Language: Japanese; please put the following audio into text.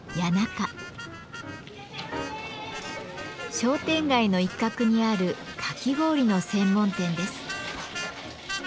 商店街の一角にあるかき氷の専門店です。